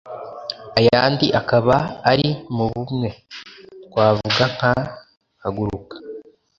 ayandi akaba ari mu bumwe. Twavuga nka haguruka